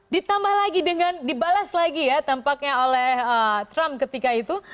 ditambah lagi dengan dibalas lagi ya tampaknya oleh trump ketika itu